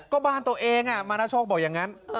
ก็บ้านตัวเองมานาโชคบอกอย่างนั้น